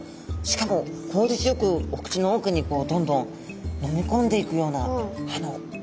しかも効率よくお口のおくにどんどん飲み込んでいくような歯の形ですね。